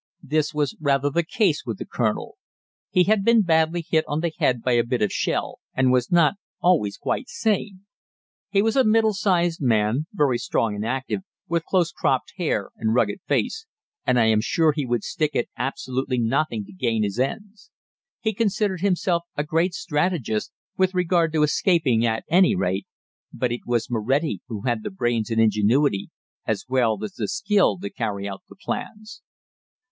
This was rather the case with the colonel. He had been badly hit on the head by a bit of shell, and was not always quite sane. He was a middle sized man, very strong and active, with close cropped hair and rugged face, and I am sure he would stick at absolutely nothing to gain his ends. He considered himself a great strategist (with regard to escaping at any rate), but it was Moretti who had the brains and ingenuity, as well as the skill to carry out the plans.